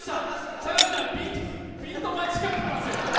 坂口さん、ピント間違ってますよ。